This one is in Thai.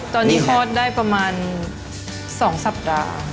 ตอนนี้พอด้ายประมาณสองสัปดาห์